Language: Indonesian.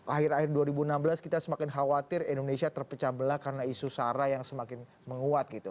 akhir akhir dua ribu enam belas kita semakin khawatir indonesia terpecah belah karena isu sara yang semakin menguat gitu